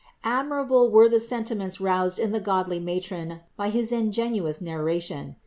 Admirable were the sentiments roused in the godly matron by his ingenuous narration.